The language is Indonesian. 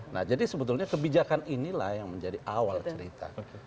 nah jadi sebetulnya kebijakan inilah yang menjadi awal cerita